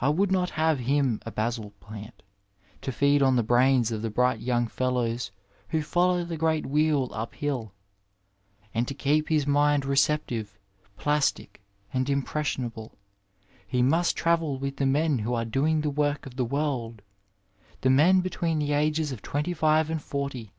I would not have him a basil plant, to feed on the brains of the bright young bllows who follow the great wheel uphill, but to keep his mind receptive, plastic, and impressionable he must travel with the men who are doing th^ work of the world, the men between the lages of twenty five and forty.